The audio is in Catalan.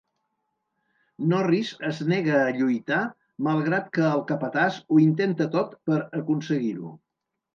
Norris es nega a lluitar malgrat que el capatàs ho intenta tot per aconseguir-ho.